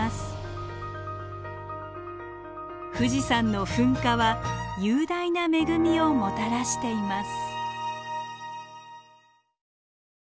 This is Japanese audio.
富士山の噴火は雄大な恵みをもたらしています。